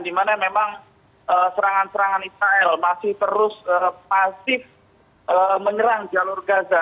dimana memang serangan serangan israel masih terus pasif menyerang jalur gaza